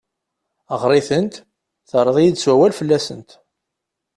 Ɣer-itent terreḍ-iyi-d s wawal fell-asent.